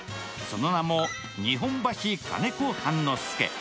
その名も、日本橋金子半之助。